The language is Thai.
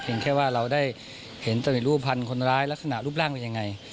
เพียงแค่ว่าเราได้เห็นแต่มีรูปประพันธ์คนร้ายลักษณะรูปร่างไปยังไง